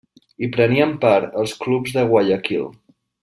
Hi prenien part els clubs de Guayaquil.